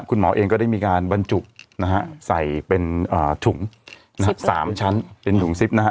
คุณหมอเองก็ได้มีการบรรจุนะฮะใส่เป็นถุงนะฮะ๓ชั้นเป็นถุงซิปนะฮะ